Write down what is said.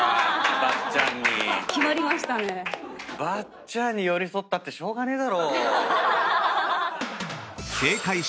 ばっちゃんに寄り添ったってしょうがねえだろ。